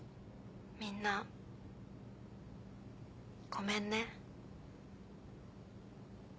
みんなごめんね。